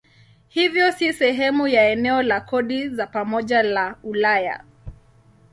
Hivyo si sehemu ya eneo la kodi za pamoja la Ulaya.